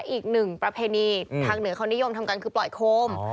อีกหนึ่งประเพณีทางเหนือเขานิยมทำกันคือปล่อยโคม